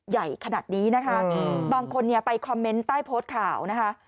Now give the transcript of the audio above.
ใหญ่ขนาดนี้นะคะบางคนเนี่ยไปคอมเมนต์ใต้โพสต์ข่าวนะคะ